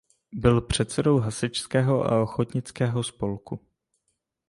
Byl předsedou hasičského a ochotnického spolku.